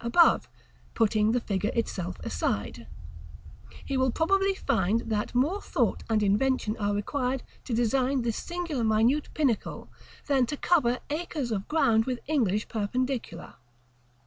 above, putting the figure itself aside, he will presently find that more thought and invention are required to design this single minute pinnacle, than to cover acres of ground with English perpendicular.